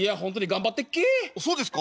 「そうですか？」。